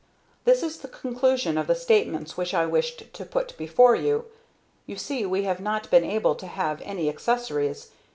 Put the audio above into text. This is the conclusion of the statements which I wished to put before you. You see we have not been able to have any accessories.